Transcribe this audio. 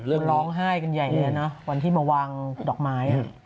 ร้องไห้กันใหญ่เลยนะวันที่มาวางดอกไม้